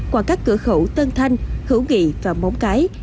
qua các cửa khẩu tân thanh hữu nghị và móng cái